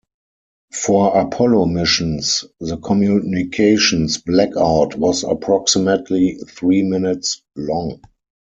For Apollo missions, the communications blackout was approximately three minutes long.